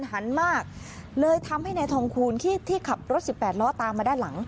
หันมากเลยทำให้นายทองคูณที่ที่ขับรถสิบแปดล้อตามมาด้านหลัง